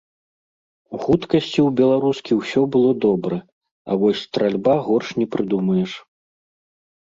У хуткасці ў беларускі ўсё было добра, а вось стральба горш не прыдумаеш.